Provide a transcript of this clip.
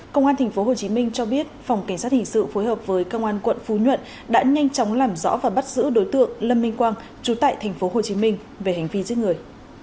công an tp hcm cho biết phòng cảnh sát hình sự phối hợp với công an quận phú nhuận đã nhanh chóng làm rõ và bắt giữ đối tượng lâm minh quang chú tại tp hcm về hành vi giết người